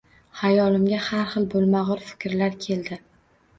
Xayolimga xar xil boʻlmagʻur fikrlar keldi